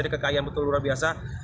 ini kekayaan betul betul luar biasa